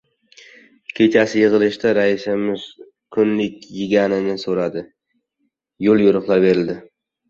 Kechasi yig‘ilishda raisimiz kunlik yaganani so‘radi. Yo‘l-yo‘riqlar berdi.